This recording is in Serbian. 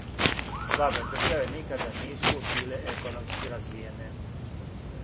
Слабе државе никада нису биле економски развијене.